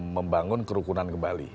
membangun kerukunan kembali